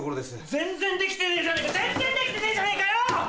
全然できてねえじゃねぇか全然できてねえじゃねぇかよ！